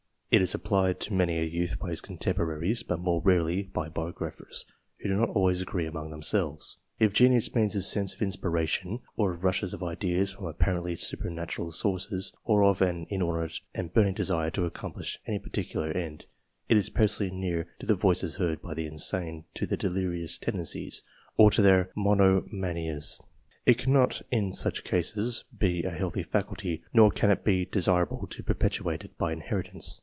It is applied to many a youth by his contemporaries, but more rarely by biographers, who do not always agree among themselves. If genius means a sense of inspiration, or of rushes of ideas from apparently supernatural sources, or of an inordinate and burning desire to accomplish any particular end, it is perilously near to the voices heard by the insane, to their delirious tendencies, or to their monomanias. It cannot in such cases be a healthy faculty, nor can it be desirable to perpetuate it by inheritance.